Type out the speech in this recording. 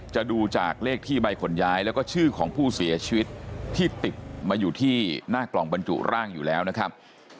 จะดูจากเลขที่ใบขนย้ายแล้วก็ชื่อของผู้เสียชีวิตที่ติดมาอยู่ที่หน้ากล่องบรรจุร่างอยู่แล้วนะครับ